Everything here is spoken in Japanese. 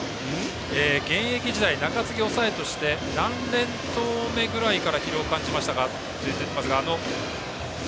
現役時代中継ぎ、抑えとして何連投ぐらいから疲労を感じましたか？ということですが。